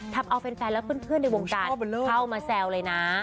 ทำเอาแฟนและเพื่อนในวงการเข้ามาแซวเลยนะ